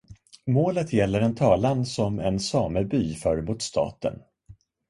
Målet gäller en talan som en sameby för mot staten.